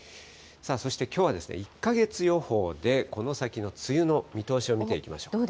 そしてきょうはですね、１か月予報で、この先の梅雨の見通しを見ていきましょう。